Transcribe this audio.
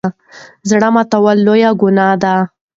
زړه ماتول لويه ګناه ده.